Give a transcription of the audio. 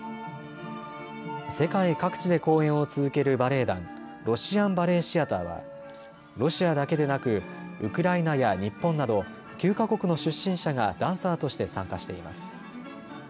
世界各地で公演を続けるバレエ団ロシアン・バレエ・シアターはロシアだけでなくウクライナや日本など９か国の出身者がダンサーとして参加しています。